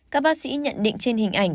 các bác sĩ nhận định trên hình ảnh